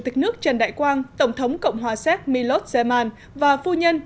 chủ tịch nước trần đại quang tổng thống cộng hòa xếp milot zeman và phu nhân